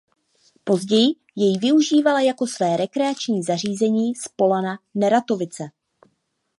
Později jej využívala jako své rekreační zařízení Spolana Neratovice.